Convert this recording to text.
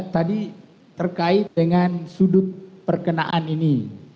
tadi terkait dengan sudut perkenaan ini